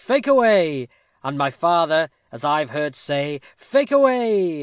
Fake away, And my father, as I've heard say, _Fake away.